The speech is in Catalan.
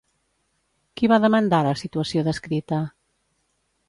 Qui va demandar la situació descrita?